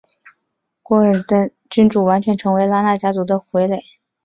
廓尔喀族沙阿王朝的君主完全成为拉纳家族的傀儡。